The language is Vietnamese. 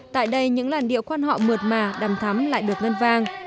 tại đây những làn điệu quan họ mượt mà đầm thắm lại được ngân vang